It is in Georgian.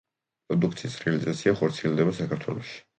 პროდუქციის რეალიზაცია ხორციელდება საქართველოში.